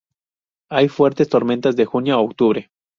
Hay fuertes tormentas de junio a octubre.